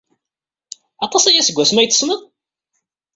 Aṭas aya seg wasmi ay t-tessned?